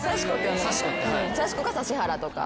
さしこか指原とか。